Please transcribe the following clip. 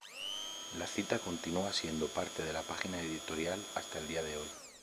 La cita continúa siendo parte de la página editorial hasta el día de hoy.